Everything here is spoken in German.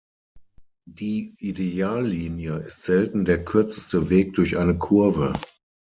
Die Ideallinie ist selten der kürzeste Weg durch eine Kurve.